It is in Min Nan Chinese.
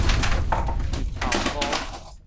日頭膏